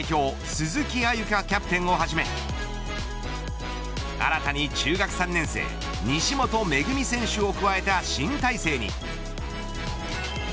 鈴木歩佳キャプテンをはじめ新たに中学３年生西本愛実選手を加えた新体制に。